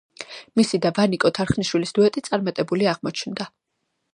მისი და ვანიკო თარხნიშვილის დუეტი წარმატებული აღმოჩნდა.